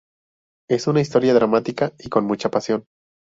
Es una historia dramática y con mucha pasión.